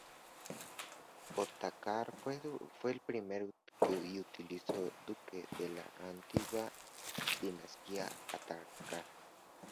Otakar fue el primer y último duque de la antigua dinastía Otakar.